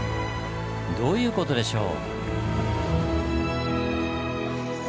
どういう事でしょう？